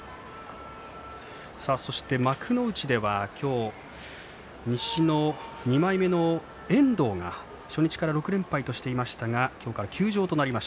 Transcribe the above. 幕内では今日、西の２枚目の遠藤が初日から６連敗としていましたが今日から休場です。